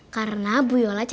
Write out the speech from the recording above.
karena bu yola cantik